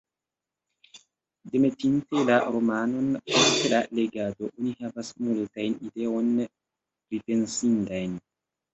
Demetinte la romanon, post la legado, oni havas multajn ideojn pripensindajn.